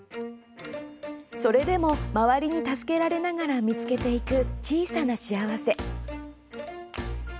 それでも周りに助けられながら見つけていく小さな幸せ。